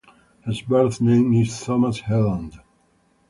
His birth name is Thomas Helland.